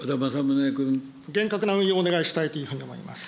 厳格な運用をお願いしたいというふうに思います